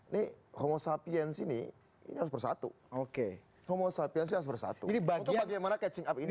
ini homo sapiens ini ini harus bersatu homo sapiens ini harus bersatu untuk bagaimana catching up ini